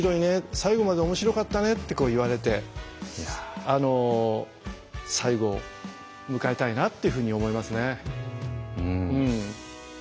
最期までおもしろかったね」って言われて最期を迎えたいなっていうふうに思いますね。